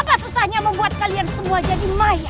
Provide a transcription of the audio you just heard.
apa susahnya membuat kalian semua jadi mayat